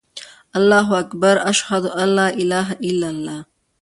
اللهاکبر، اشهدان الاله االاهلل